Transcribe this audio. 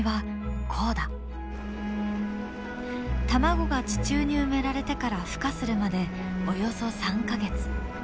卵が地中に埋められてからふ化するまでおよそ３か月。